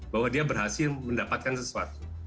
bahwa dia berhasil mendapatkan sesuatu